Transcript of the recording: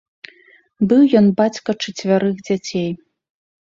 Быў ён бацька чацвярых дзяцей.